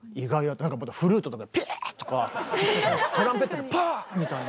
なんかまたフルートとかピィーッとかトランペットでパァーッみたいな。